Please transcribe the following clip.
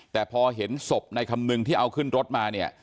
แต่พอเห็นศพในคำนึงที่เอาขึ้นรถมาเนี่ย